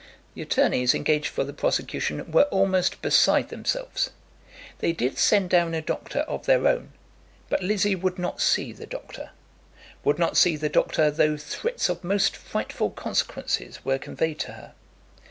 The attorneys engaged for the prosecution were almost beside themselves. They did send down a doctor of their own, but Lizzie would not see the doctor, would not see the doctor though threats of most frightful consequences were conveyed to her.